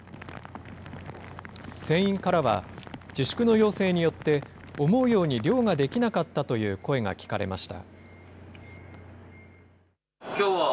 船員からは、自粛の要請によって思うように漁ができなかったという声が聞かれました。